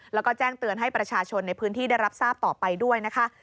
แล้วก็แจ้งเตือนให้ประชาชนในพื้นที่ได้รับทราบต่อไปด้วยนะคะ